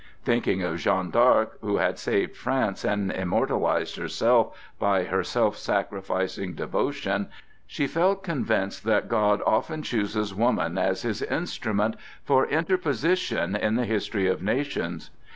Thinking of Jeanne d'Arc, who had saved France and immortalized herself by her self sacrificing devotion, she felt convinced that God often chooses woman as his instrument for interposition in the history of nations.